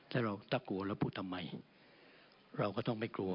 ถ้ากลัวแล้วพูดทำไมเราก็ต้องไม่กลัว